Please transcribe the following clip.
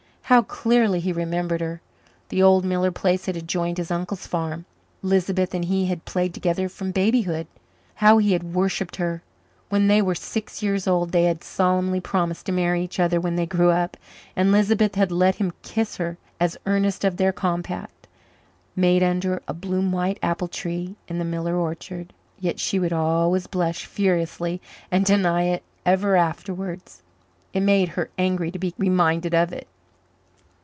How clearly he remembered her! The old Miller place had adjoined his uncle's farm. Lisbeth and he had played together from babyhood. How he had worshipped her! When they were six years old they had solemnly promised to marry each other when they grew up, and Lisbeth had let him kiss her as earnest of their compact, made under a bloom white apple tree in the Miller orchard. Yet she would always blush furiously and deny it ever afterwards; it made her angry to be reminded of it.